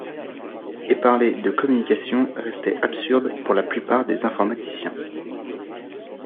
Et parler de communication restait absurde pour la plupart des informaticiens.